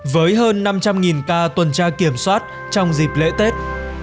với hơn năm trăm linh ca tuần tra kiểm soát trong dịp lễ tết